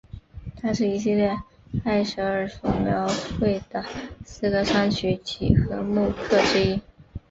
它是一系列埃舍尔所描绘的四个双曲几何木刻之一。